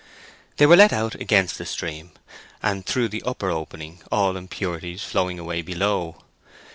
They were let out against the stream, and through the upper opening, all impurities flowing away below.